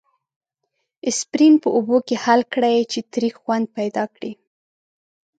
اسپرین په اوبو کې حل کړئ چې تریخ خوند پیدا کړي.